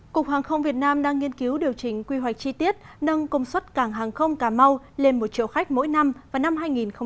cục hàng không việt nam đang nghiên cứu điều chỉnh quy hoạch chi tiết nâng công suất cảng hàng không cà mau lên một triệu khách mỗi năm vào năm hai nghìn ba mươi